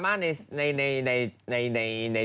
เอาข้อความนั้นขึ้นนะให้นั่งดูหน่อย